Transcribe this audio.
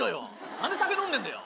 何で酒飲んでんだよ。